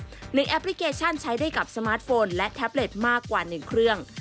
หนึ่งแอปพลิเคชันใช้ได้กับสมาร์ทโฟนและแท็บเล็ตมากกว่า๑เครื่อง